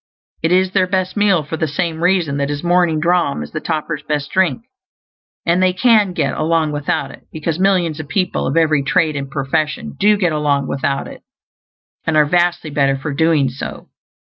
It is their best meal for the same reason that his morning dram is the toper's best drink. And they CAN get along without it, because millions of people, of every trade and profession, DO get along without it, and are vastly better for doing so.